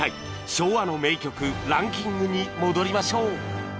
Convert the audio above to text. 昭和の名曲』ランキングに戻りましょう